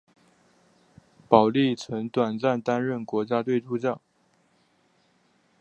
保历曾短暂担任国家队助教。